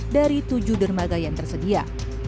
dari tujuh dermaga yang tersedia